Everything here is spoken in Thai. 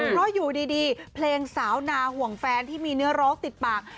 เพราะอยู่ดีเพลงสาวนาห่วงแฟนที่มีเนื้อร้องติดปาก